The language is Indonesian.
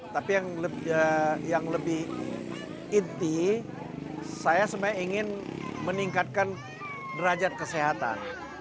tapi yang lebih inti saya sebenarnya ingin meningkatkan derajat kesehatan